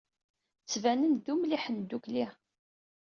Ttbanen-d d umliḥen ddukkli.